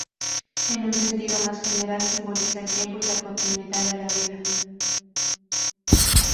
En un sentido más general simboliza el tiempo y la continuidad de la vida.